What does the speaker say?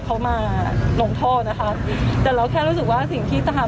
ทำงานครบ๒๐ปีได้เงินชดเฉยเลิกจ้างไม่น้อยกว่า๔๐๐วัน